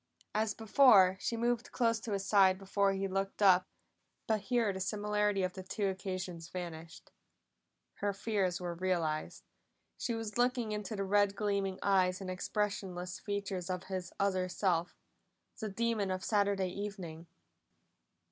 As before, she moved close to his side before he looked up, but here the similarity of the two occasions vanished. Her fears were realized; she was looking into the red gleaming eyes and expressionless features of his other self the demon of Saturday evening!